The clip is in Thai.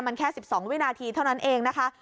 มันแค่๑๒วินาทีเท่านั้นเองนะคะ